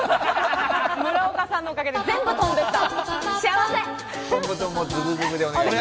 村岡さんのおかげで全部飛んでった！